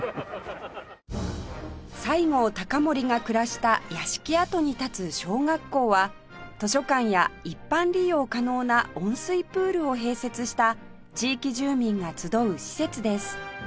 西郷隆盛が暮らした屋敷跡に立つ小学校は図書館や一般利用可能な温水プールを併設した地域住民が集う施設です